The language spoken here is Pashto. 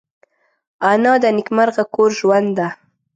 انا د نیکمرغه کور ژوند ده